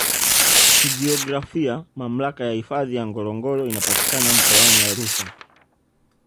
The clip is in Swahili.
Kijiografia Mamlaka ya hifadhi ya Ngorongoro inapatikana Mkoani Arusha